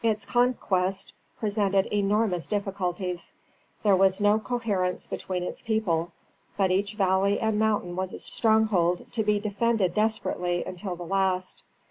Its conquest presented enormous difficulties. There was no coherence between its people; but each valley and mountain was a stronghold to be defended desperately until the last.